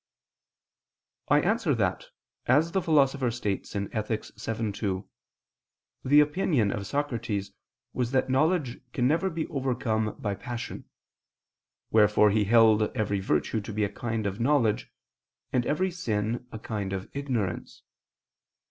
I answer that, As the Philosopher states (Ethic. vii, 2), the opinion of Socrates was that knowledge can never be overcome by passion; wherefore he held every virtue to be a kind of knowledge, and every sin a kind of ignorance.